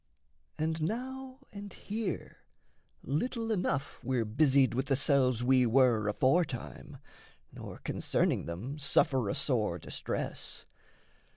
And now and here, Little enough we're busied with the selves We were aforetime, nor, concerning them, Suffer a sore distress.